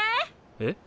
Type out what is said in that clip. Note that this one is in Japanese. えっ？